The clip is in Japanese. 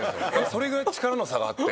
それぐらい力の差があって。